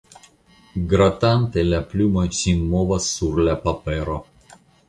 Gratante la plumo sin movas sur la papero.